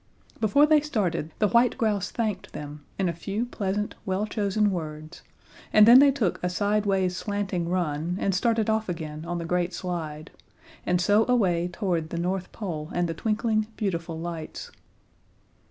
Before they started, the white grouse thanked them in a few pleasant, well chosen words, and then they took a sideways slanting run and started off again on the great slide, and so away toward the North Pole and the twinkling, beautiful lights.